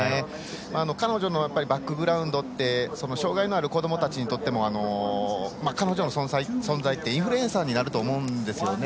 彼女のバックグラウンドって障がいがある子どもたちにとっても彼女の存在ってインフルエンサーになると思うんですね。